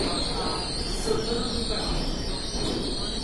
Santana do Ipanema